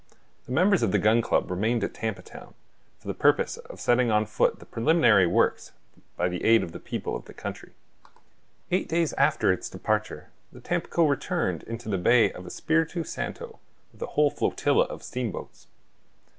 The members of the Gun Club remained at Tampa Town, for the purpose of setting on foot the preliminary works by the aid of the people of the country. Eight days after its departure, the Tampico returned into the bay of Espiritu Santo, with a whole flotilla of steamboats.